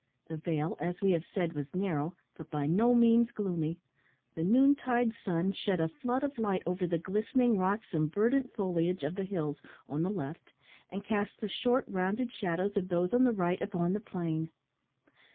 The vale, as we have said, was narrow, but by no means gloomy. The noontide sun shed a flood of light over the glistening rocks and verdant foliage of the hills on the left, and cast the short, rounded shadows of those on the right upon the plain.